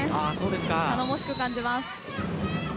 頼もしく感じます。